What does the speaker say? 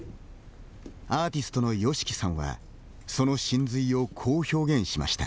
アーティストのＹＯＳＨＩＫＩさんはその神髄を、こう表現しました。